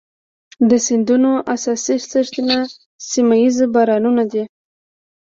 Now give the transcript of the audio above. د سیندونو اساسي سرچینه سیمه ایز بارانونه دي.